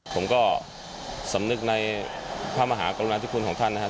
ผมก็สำนึกในพระมหากรุณาธิคุณของท่านนะครับ